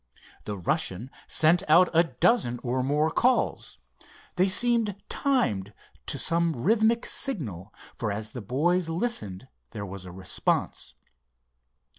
The Russian sent out a dozen or more calls. They seemed timed to some rhythmic signal, for as the boys listened there was a response.